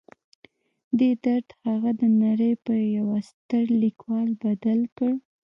دې درد هغه د نړۍ پر یوه ستر لیکوال بدل کړ